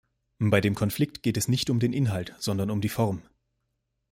Bei dem Konflikt geht es nicht um den Inhalt, sondern um die Form.